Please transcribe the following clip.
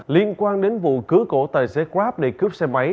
liên quan đến vụ cưới cổ tài xế grab để cướp xe máy